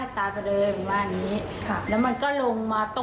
เขาบอกว่าเขาไม่ค่อยหินดีเลยค่อยลูกประสาท